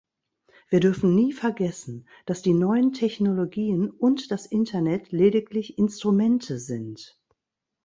Wir dürfen nie vergessen, dass die neuen Technologien und das Internet lediglich Instrumente sind.